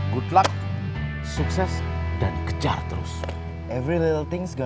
gua nggak lambat kok